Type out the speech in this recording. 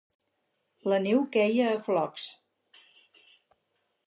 La neu queia a flocs.